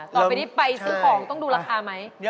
ต่อไปนี้ไปซื้อของต้องดูราคาไหม